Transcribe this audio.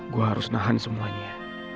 gue harus nahan semuanya